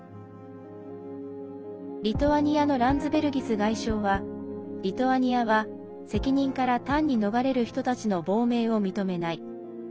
リトアニアのランズベルギス外相はリトアニアは責任から単に逃れる人たちの亡命を認めない。